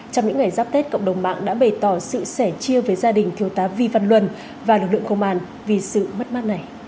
trong những ngày giáp tết cộng đồng mạng đã bày tỏ sự sẻ chia với gia đình thiếu tá vi văn luân và lực lượng công an vì sự mất mát này